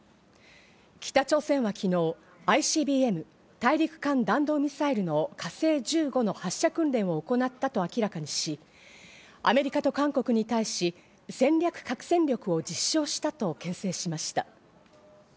北朝鮮は昨日、ＩＣＢＭ＝大陸間弾道ミサイルの「火星１５」の発射訓練を行ったと明らかにし、アメリカと韓国に対し、戦略核戦力を実証したとけん制しました。